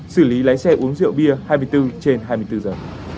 xử lý lái xe uống rượu bia hai mươi bốn trên hai mươi bốn giờ